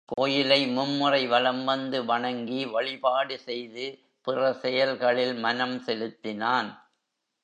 கோயிலை மும்முறை வலம் வந்து வணங்கி வழிபாடு செய்து பிற செயல்களில் மனம் செலுத்தினான்.